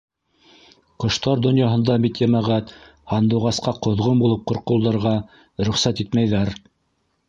Ҡоштар донъяһында бит, йәмәғәт, һандуғасҡа ҡоҙғон булып ҡорҡолдарға рөхсәт итмәйҙәр!